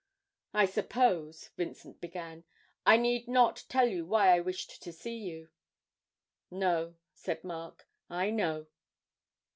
'I suppose,' Vincent began, 'I need not tell you why I wished to see you?' 'No,' said Mark; 'I know.'